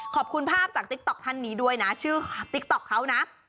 ขอบคุณภาพจากติ๊กต๊อกท่านนี้ด้วยนะชื่อติ๊กต๊อกเขานะ